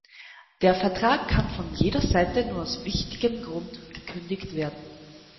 Der Vertrag kann von jeder Seite nur aus wichtigem Grund gekündigt werden.